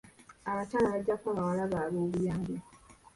Abakyala bajja kuwa bawala baabwe obuyambi.